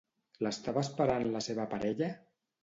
L'estava esperant la seva parella?